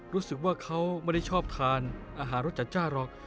รู้สึกว่าเขาไม่ได้ชอบทานอาหารรสจัดจ้านหรอก